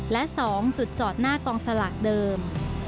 และ๒จุดจอดหน้ากองสลากเดิม